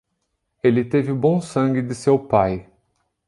Ele teve o bom sangue de seu pai.